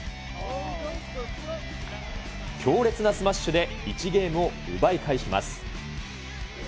強烈なスマッシュで１ゲームを奪い返します。